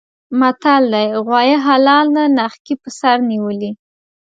متل دی: غوایه حلال نه نښکي په سر نیولي.